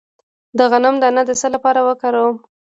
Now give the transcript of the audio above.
د غنم دانه د څه لپاره وکاروم؟